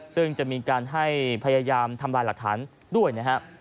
ซึ่งจะมีการให้พยายามทำลายหลักฐานด้วยนะครับ